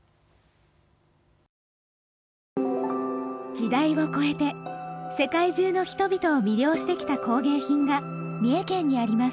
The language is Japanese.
時代を超えて世界中の人々を魅了してきた工芸品が三重県にあります。